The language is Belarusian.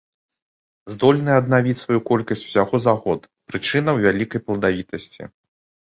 Здольныя аднавіць сваю колькасць усяго за год, прычына ў вялікай пладавітасці.